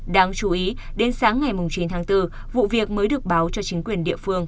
đáng chú ý đến sáng ngày chín tháng bốn vụ việc mới được báo cho chính quyền địa phương